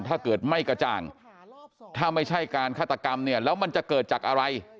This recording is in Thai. ถ้าเกิดไม่กระจ่างถ้าไม่ใช่การฆาตกรรมเนี่ยแล้วมันจะเกิดจากอะไร